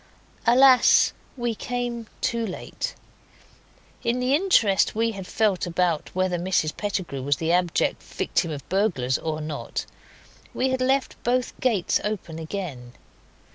Alas! we came too late. In the interest we had felt about whether Mrs Pettigrew was the abject victim of burglars or not, we had left both gates open again.